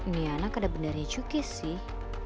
nih anak ada benernya cukis sih